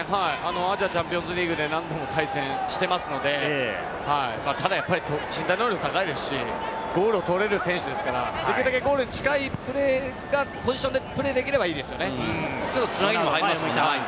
アジアチャンピオンズリーグで何度も対戦してますので、身体能力は高いですし、ゴールを取れる選手ですから、できるだけゴールに近いところでポジションでプレーできればいいですよね。